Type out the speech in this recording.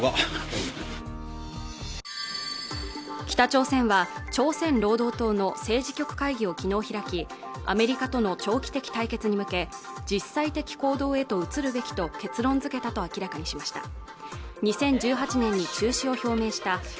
北朝鮮は朝鮮労働党の政治局会議をきのう開きアメリカとの長期的対決に向け実際的行動へと移るべきと結論づけたと明らかにしました